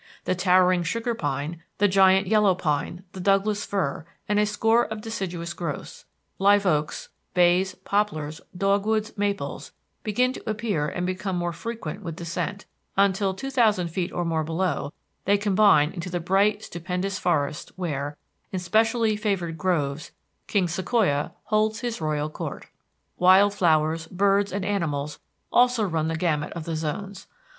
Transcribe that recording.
The towering sugar pine, the giant yellow pine, the Douglas fir, and a score of deciduous growths live oaks, bays, poplars, dogwoods, maples begin to appear and become more frequent with descent, until, two thousand feet or more below, they combine into the bright stupendous forests where, in specially favored groves, King Sequoia holds his royal court. Wild flowers, birds, and animals also run the gamut of the zones.